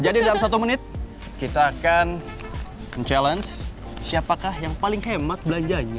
jadi dalam satu menit kita akan challenge siapakah yang paling hemat belanjanya